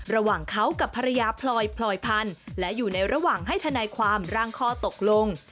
ระหว่างเขากับภรรยาพลอยพลอยพันธุ์และอยู่ในระหว่างให้ทนายความร่างข้อตกลง